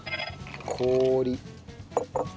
氷。